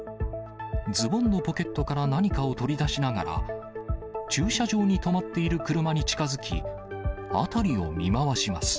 ズボンのポケットから何かを取り出しながら、駐車場に止まっている車に近づき、辺りを見回します。